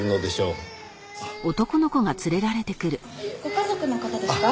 ご家族の方ですか？